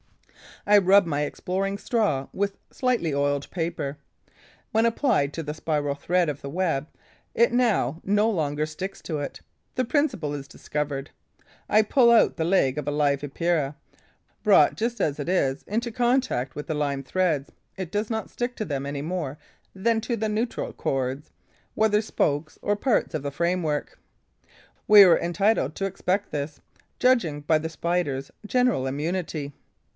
I rub my exploring straw with slightly oiled paper. When applied to the spiral thread of the web, it now no longer sticks to it. The principle is discovered. I pull out the leg of a live Epeira. Brought just as it is into contact with the lime threads, it does not stick to them any more than to the neutral cords, whether spokes or parts of the framework. We were entitled to expect this, judging by the Spider's general immunity.